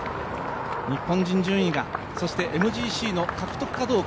日本人順位が、そしてＭＧＣの獲得かどうか。